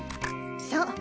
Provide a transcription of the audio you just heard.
そう。